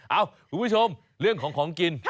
คุณผู้ชมเรื่องของของกิน